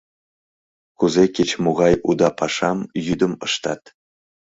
Кузе кеч-могай уда пашам йӱдым ыштат.